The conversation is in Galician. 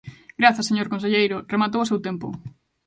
Grazas, señor conselleiro, rematou o seu tempo.